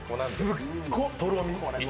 すっご、とろみも。